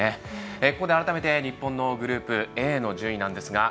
ここで改めてグループＡの順位です。